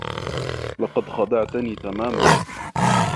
لقد خدعتني تماما.